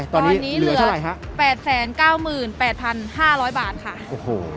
ตอนนี้เหลือแปดแสนเก้าหมื่นแปดพันห้าน้อยบาทค่ะ